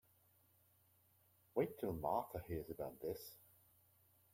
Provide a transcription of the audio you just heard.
Wait till Martha hears about this.